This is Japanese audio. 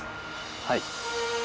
はい。